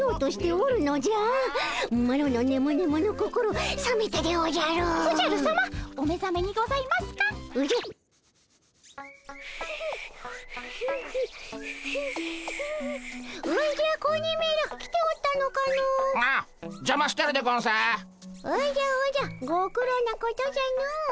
おじゃおじゃご苦労なことじゃの。